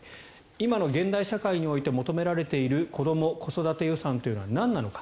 今の現代社会において求められている子ども・子育て予算というのはなんなのか。